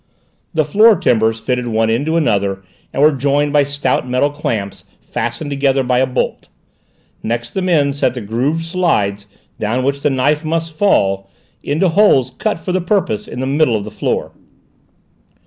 The floor timbers fitted one into another and were joined by stout metal clamps fastened together by a bolt; next the men set the grooved slides, down which the knife must fall, into holes cut for the purpose in the middle of the floor.